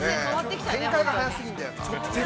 展開が早過ぎるんだよなぁ。